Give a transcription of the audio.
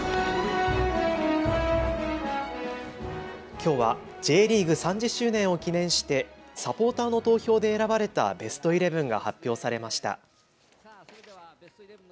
きょうはＪリーグ３０周年を記念してサポーターの投票で選ばれたベストイレブンが発表されました。